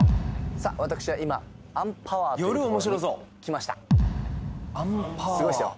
さあ私は今アンパワーという所に来ましたすごいですよ